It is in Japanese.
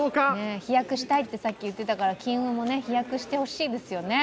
飛躍したいってさっき言ってたから金運も飛躍してほしいですね。